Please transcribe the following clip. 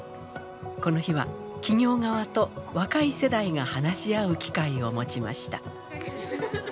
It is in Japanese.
この日は企業側と若い世代が話し合う機会を持ちました。